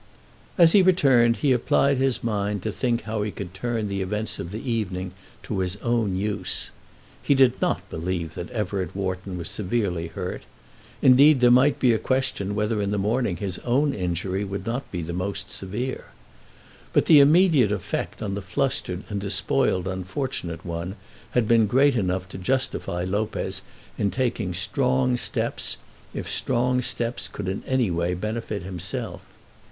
As he returned he applied his mind to think how he could turn the events of the evening to his own use. He did not believe that Everett Wharton was severely hurt. Indeed there might be a question whether in the morning his own injury would not be the most severe. But the immediate effect on the flustered and despoiled unfortunate one had been great enough to justify Lopez in taking strong steps if strong steps could in any way benefit himself.